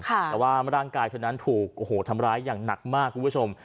แต่ว่าร่างกายเธอนั้นถูกโอ้โหทำร้ายอย่างหนักมากคุณผู้ชม